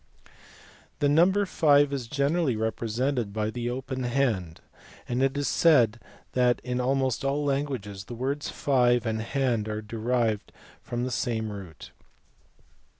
4). The number five is generally represented by the open hand, and it is said that in almost all languages the words five and hand are derived from the same root.